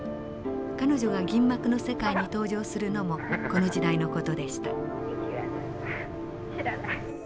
彼女が銀幕の世界に登場するのもこの時代の事でした。